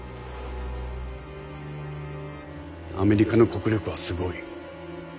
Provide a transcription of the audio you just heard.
アメリカの国力はすごい。